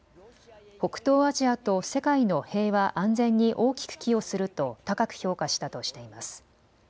北東アジアと世界の平和・安全に大きく寄与すると高く評価したとしています。